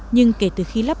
nhưng kể từ khi lắp bộ